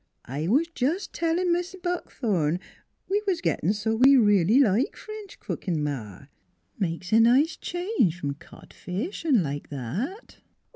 " I was jes' tellin' Mis' Buckthorn we was get tin' so we reelly liked French cookin', Ma. ... It makes a nice change f'om codfish 'n' like that.